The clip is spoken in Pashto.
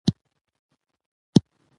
چې د داکتر د حکومت په وروستیو کې